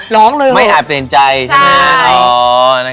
ร้องเลยไม่อาจเปลี่ยนใจใช่ไหม